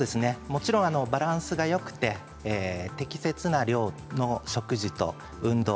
もちろんバランスがよくて適切な量の食事と運動